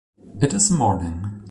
It is morning.